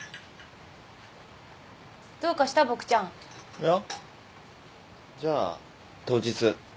いやじゃあ当日。